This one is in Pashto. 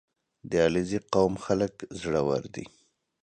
• د علیزي قوم خلک زړور دي.